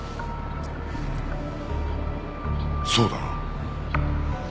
そうだな。